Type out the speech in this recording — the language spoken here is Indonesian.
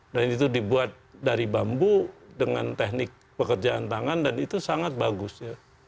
dan itu dibuat dari bambu dengan teknik pekerjaan tangan dan itu sangat bagus ya